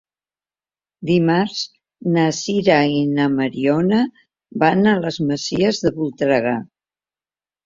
Dimarts na Sira i na Mariona van a les Masies de Voltregà.